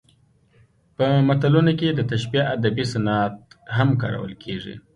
په متلونو کې د تشبیه ادبي صنعت هم کارول کیږي